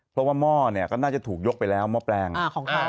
เพราะว่าหม้อเนี่ยก็น่าจะถูกยกไปแล้วหม้อแปลงของเขา